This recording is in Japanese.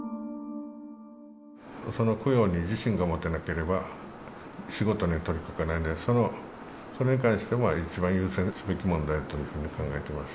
その供養に自信が持てなければ、仕事に取りかかれない、それに関しても一番優先すべき問題だというふうに考えてます。